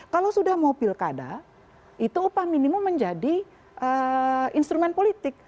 kalau sudah mau pilkada itu upah minimum menjadi instrumen politik